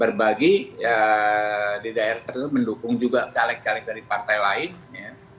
berbagi di daerah tertentu mendukung juga caleg caleg dari partai lain ya